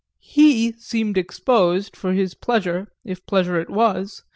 He seemed exposed, for his pleasure if pleasure it was!